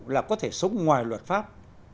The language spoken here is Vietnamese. là có thể sống ngoài luật pháp